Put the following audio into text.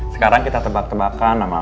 sekarang kita tebak tebakan nama apa